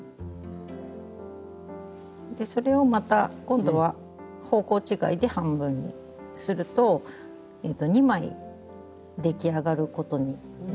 それをまた今度は方向違いで半分にすると２枚出来上がることになるんですね。